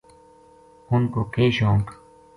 انھ کو کے شونق